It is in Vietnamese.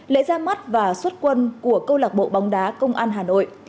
lễ ra mắt và xuất quân của câu lạc bộ bóng đá công an hà nội